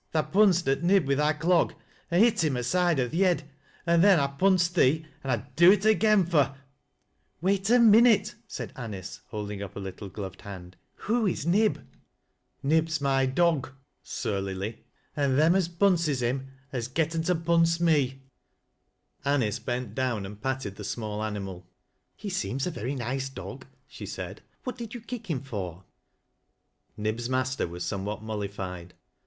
Tha pun80>j at Nib wi' thy clog, an' hit him aside o' th' yed, an' then 1 punsed thee, an' I'd do it agen fur —"" Wait a minute," said Anice, holding up her Uttic ^lovftd hand. " Who is Nib ?" t2 THAT LASS 0' LOWBIE'S. " Nib's my dog," surlily. " An' them as pdnses him has getten to punse me." Anice tent down and patted the small animal. ' He seems a very nice dog," she said. " What did yoB kick him for ?" Nib's master was somewhat mollified.